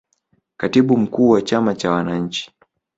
katibu mkuu wa chama cha wananchi